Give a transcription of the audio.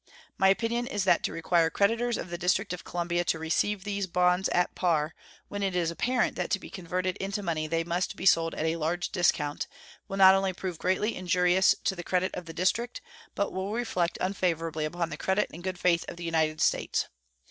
My opinion is that to require creditors of the District of Columbia to receive these bonds at par when it is apparent that to be converted into money they must be sold at a large discount will not only prove greatly injurious to the credit of the District, but will reflect unfavorably upon the credit and good faith of the United States.